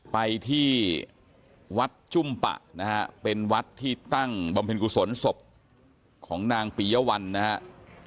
ไปที่วัดจุ้มปะนะฮะเป็นวัดที่ตั้งบำเพ็ญกุศลศพของนางปียวัลนะครับ